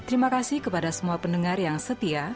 terima kasih kepada semua pendengar yang setia